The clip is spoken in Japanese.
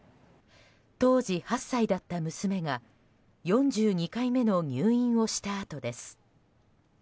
当時８歳だった娘が４２回目の入院をしたあとです。